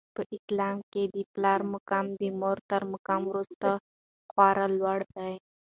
په اسلام کي د پلار مقام د مور تر مقام وروسته خورا لوړ دی.